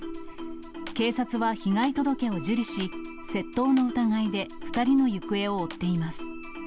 警察は被害届を受理し、窃盗の疑いで２人の行方を追っています。